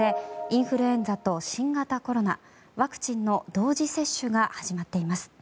インフルエンザと新型コロナワクチンの同時接種が始まっています。